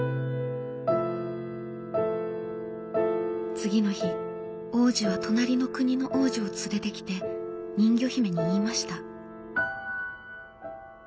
次の日王子は隣の国の王女を連れてきて人魚姫に言いました。